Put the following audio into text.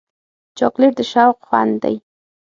چاکلېټ د شوق خوند دی.